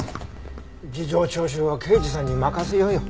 事情聴取は刑事さんに任せようよ。